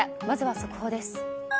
まずは速報です。